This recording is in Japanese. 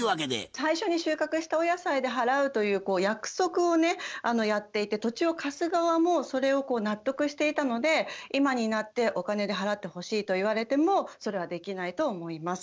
最初に収穫したお野菜で払うという約束をねやっていて土地を貸す側もそれをこう納得していたので今になってお金で払ってほしいと言われてもそれはできないと思います。